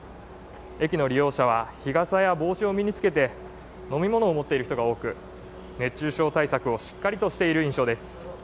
駅の利用者は日傘や帽子を身につけて、飲み物を持っている人が多く、熱中症対策をしっかりとしている印象です。